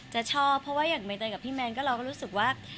จะชอบเพราะว่าอย่างใบเตยกับพี่แมนก็เราก็รู้สึกว่า